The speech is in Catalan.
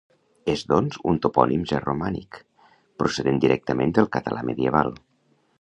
És, doncs, un topònim ja romànic, procedent directament del català medieval.